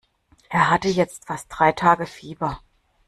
Er hatte jetzt fast drei Tage Fieber.